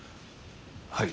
はい。